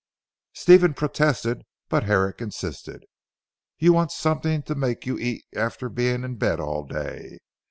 Stephen protested, but Herrick insisted. "You want something to make you eat after being in bed all day.